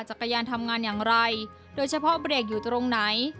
จักรยานทำงานอย่างไรโดยเฉพาะเบรกอยู่ตรงไหน